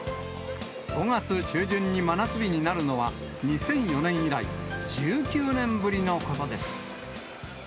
５月中旬に真夏日になるのは、２００４年以来、１９年ぶりのことです。